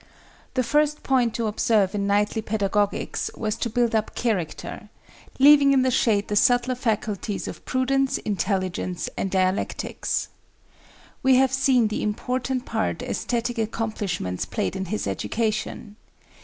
The first point to observe in knightly pedagogics was to build up character, leaving in the shade the subtler faculties of prudence, intelligence and dialectics. We have seen the important part æsthetic accomplishments played in his education.